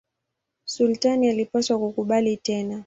Sultani alipaswa kukubali tena.